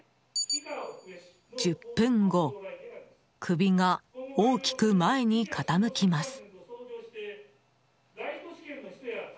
１０分後首が大きく前に傾きます。